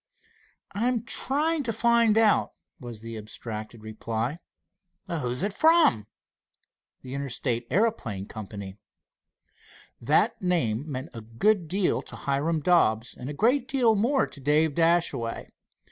"I'm trying to find out," was the abstracted reply. "Who is it from?" "The Interstate Aeroplane Co." That name meant a good deal to Hiram Dobbs, and a great deal more to Dave Dashaway.